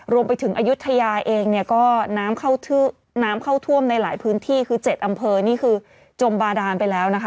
รวมไปถึงอายุทยาเองเนี่ยก็น้ำเข้าท่วมในหลายพื้นที่คือ๗อำเภอนี่คือจมบาดานไปแล้วนะคะ